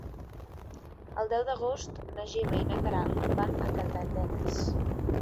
El deu d'agost na Gemma i na Queralt van a Calldetenes.